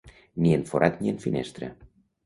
Ni en forat ni en finestra.